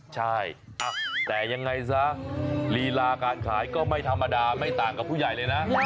ใช่แต่ยังไงซะลีลาการขายก็ไม่ธรรมดาไม่ต่างกับผู้ใหญ่เลยนะ